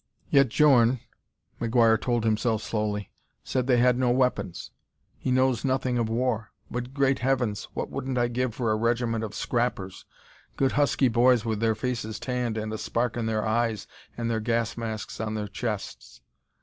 "Yet Djorn," McGuire told himself slowly, "said they had no weapons. He knows nothing of war. But, great heavens! what wouldn't I give for a regiment of scrappers good husky boys with their faces tanned and a spark in their eyes and their gas masks on their chests.